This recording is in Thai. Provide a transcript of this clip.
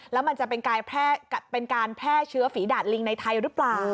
แล้วมันจะเป็นการแพร่เชื้อฝีดาดลิงในไทยหรือเปล่า